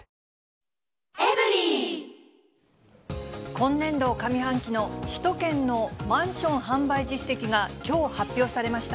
今年度上半期の首都圏のマンション販売実績が、きょう発表されました。